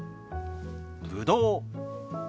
ぶどう。